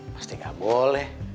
pasti gak boleh